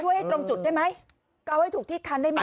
ให้ตรงจุดได้ไหมเอาให้ถูกที่คันได้ไหม